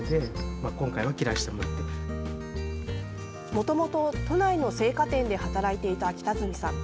もともと都内の生花店で働いていた北住さん。